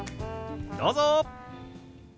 どうぞ！